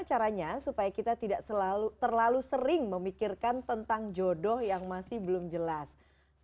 yang bahagia dunia bahagia di akhirat